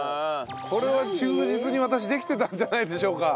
これは忠実に私できてたんじゃないでしょうか？